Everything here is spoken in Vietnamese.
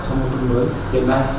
trong nông thôn mới hiện nay